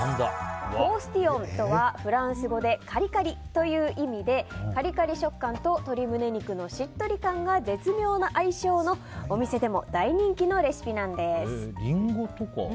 コースティオンとはフランス語でカリカリという意味でカリカリ食感と鶏胸肉のしっとり感が絶妙な相性の、お店でも大人気のレシピなんです。